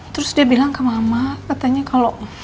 terus dia bilang ke mama katanya kalau